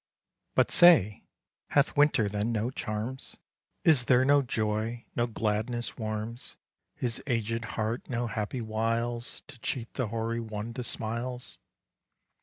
But say, hath Winter then no charms? Is there no joy, no gladness warms His aged heart? no happy wiles To cheat the hoary one to smiles?